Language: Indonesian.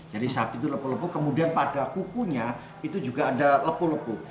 jadi sapi itu lepuh lepuh kemudian pada kukunya itu juga ada lepuh lepuh